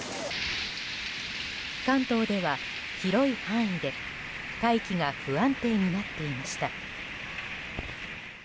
関東では広い範囲で大気が不安定になっていました。